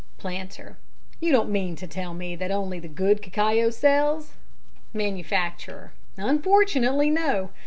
PLANTER: You don't mean to tell me that only the good cacao sells? MANUFACTURER: Unfortunately, no!